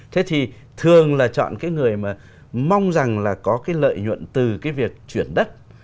thế thì thường là chọn cái người mà mong rằng là có cái lợi nhuận từ cái việc chuyển đất